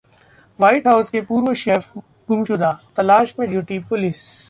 white House के पूर्व chef गुमशुदा: तलाश में जुटी पुलिस